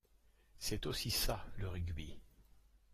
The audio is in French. C'est aussi ça le rugby.